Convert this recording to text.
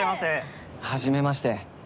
はじめまして。